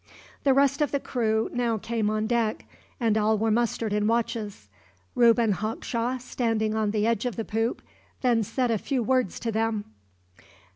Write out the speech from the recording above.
The rest of the crew now came on deck, and all were mustered in watches. Reuben Hawkshaw, standing on the edge of the poop, then said a few words to them.